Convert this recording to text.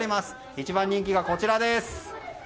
一番人気がこちらです。